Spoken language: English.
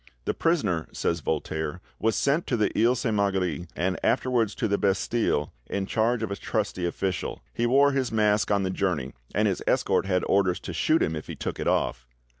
"The prisoner," says Voltaire, "was sent to the Iles Sainte Marguerite, and afterwards to the Bastille, in charge of a trusty official; he wore his mask on the journey, and his escort had orders to shoot him if he took it off.